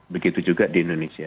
begitu juga di indonesia